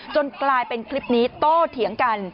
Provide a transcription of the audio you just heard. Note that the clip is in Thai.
กลายเป็นคลิปนี้โตเถียงกัน